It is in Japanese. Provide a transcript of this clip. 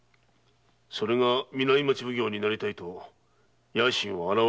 それが南町奉行になりたいと野心をあらわしているのだな。